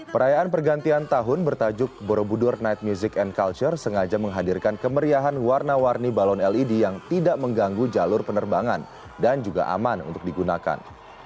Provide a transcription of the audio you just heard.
perayaan pergantian tahun bertajuk borobudur night music and culture sengaja menghadirkan kemeriahan warna warni balon led yang tidak mengganggu jalur penerbangan dan juga aman untuk digunakan